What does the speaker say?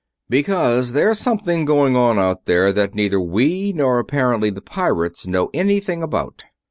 "Because there's something going on out there that neither we nor apparently the pirates know anything about.